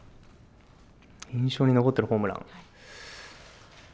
印象に残っているホームラン？